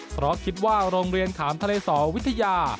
เพราะคิดว่าโรงเรียนขามทะเลสอวิทยา